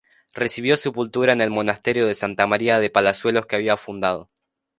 Recibió sepultura en el Monasterio de Santa María de Palazuelos que había fundado.